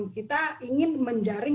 kita ingin menjaring